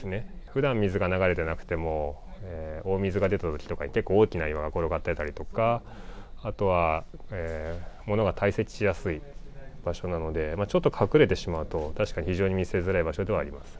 ふだん水が流れてなくても、大水が出たときに、結構大きな岩が転がってたりとか、あとはものが堆積しやすい場所なので、ちょっと隠れてしまうと、確かに非常に見つけづらい場所ではあります。